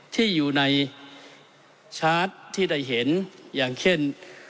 ที่อยู่ในชาร์จที่ได้เห็นอย่างเช่น